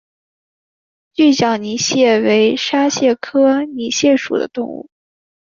锯脚泥蟹为沙蟹科泥蟹属的动物。